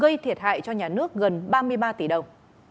gây thiệt hại cho nhà nước gần ba mươi ba tỷ đồng